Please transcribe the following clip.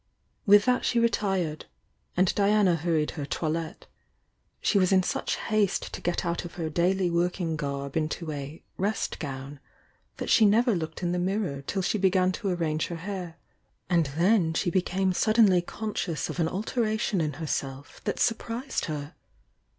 With that she retired, — and Diana hurried her toilette. She was in such haste to get out of her daily working garb into a "rest gown" that she never looked in the mirror till she began to arrange her hair, and then she became suddenly conscious of an alteration in herself that surprised her.